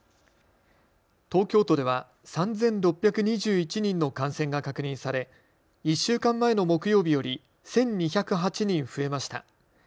東京都では３６２１人の感染が確認され１週間前の木曜日より１２０８人増えました。